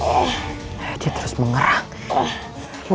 aku akan mencari kebaikanmu